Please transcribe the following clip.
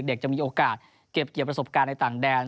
จะมีโอกาสเก็บเกี่ยวประสบการณ์ในต่างแดน